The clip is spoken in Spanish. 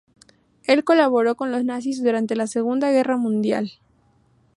Él colaboró con los nazis durante la Segunda Guerra Mundial.